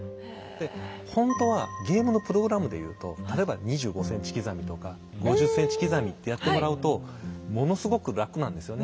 でほんとはゲームのプログラムでいうと例えば２５ｃｍ刻みとか５０ｃｍ刻みってやってもらうとものすごく楽なんですよね。